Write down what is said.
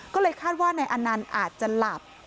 ก็เลยคาดว่านายอนันต์อาจจะหลับ